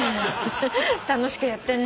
楽しくやってんね。